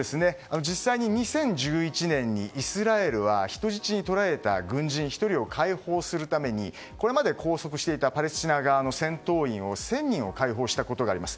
実際に２０１１年にイスラエルは人質に捕らえられた軍人１人を解放するためにこれまで拘束していたパレスチナ側の戦闘員を１０００人を解放したことがあります。